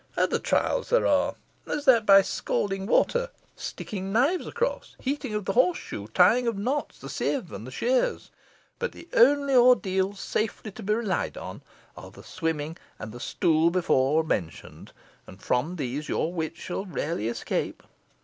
Other trials there are, as that by scalding water sticking knives across heating of the horseshoe tying of knots the sieve and the shears; but the only ordeals safely to be relied on, are the swimming and the stool before mentioned, and from these your witch shall rarely escape.